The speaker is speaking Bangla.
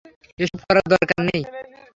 এসব করার দরকার নেই।